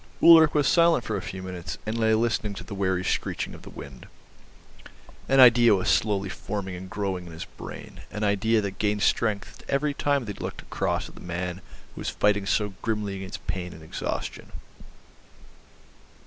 Ulrich was silent for a few minutes, and lay listening to the weary screeching of the wind. An idea was slowly forming and growing in his brain, an idea that gained strength every time that he looked across at the man who was fighting so grimly against pain and exhaustion.